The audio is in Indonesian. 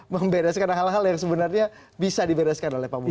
membereskan hal hal yang sebenarnya bisa dibereskan oleh pak budi